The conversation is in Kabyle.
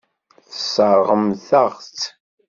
Tesseṛɣemt-aɣ-tt.